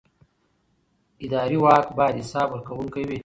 اداري واک باید حساب ورکوونکی وي.